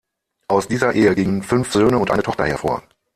Aus dieser Ehe gingen fünf Söhne und eine Tochter hervor.